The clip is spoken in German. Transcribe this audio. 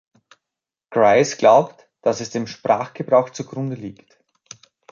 Grice glaubte, dass es dem Sprachgebrauch zugrunde liegt.